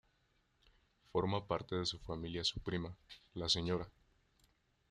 Forma parte de su familia su prima, la Sra.